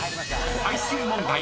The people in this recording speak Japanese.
［最終問題］